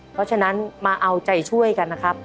เพราะฉะนั้นมาเอาใจช่วยกันนะครับ